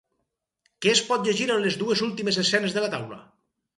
Què es pot llegir en les dues últimes escenes de la taula?